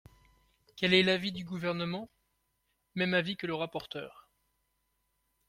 Quel est l’avis du Gouvernement ? Même avis que le rapporteur.